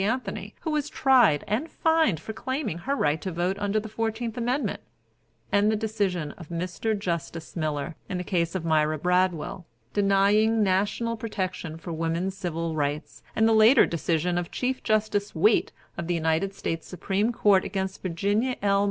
Anthony, who was tried and fined for claiming her right to vote under the Fourteenth Amendment, and the decision of Mr. Justice Miller in the case of Myra Bradwell, denying national protection for woman's civil rights; and the later decision of Chief Justice Waite of the United States Supreme Court against Virginia L.